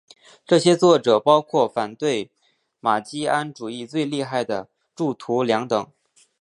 这些作者包括反对马吉安主义最厉害的铁徒良等。